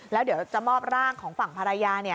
แล้วเดี๋ยวจะมอบร่างของฝั่งภรรยา